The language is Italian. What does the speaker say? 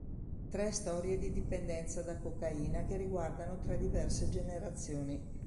Tre storie di dipendenza da cocaina che riguardano tre diverse generazioni.